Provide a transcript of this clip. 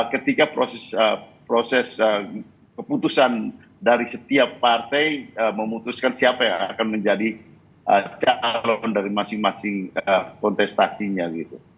ketika proses keputusan dari setiap partai memutuskan siapa yang akan menjadi calon dari masing masing kontestasinya gitu